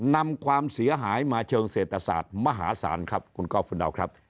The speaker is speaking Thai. นำความเสียหายมาเชิงเศรษฐศาสตร์มหาศาลครับคุณกอล์ฟคุณดาวครับ